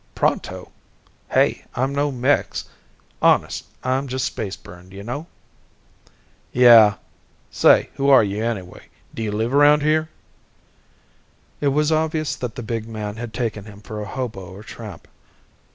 "Pronto? Hey, I'm no Mex. Honest, I'm just space burned. You know?" "Yeah. Say, who are you, anyway? Do you live around here?" It was obvious that the big man had taken him for a hobo or a tramp.